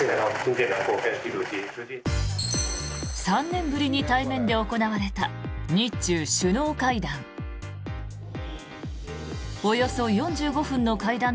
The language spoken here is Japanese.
３年ぶりに対面で行われた日中首脳会談。